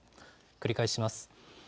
繰り返します。